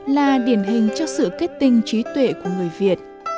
là điển hình cho sự kết tinh trí tuệ của người việt